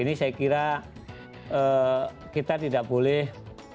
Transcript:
ini saya kira kita tidak boleh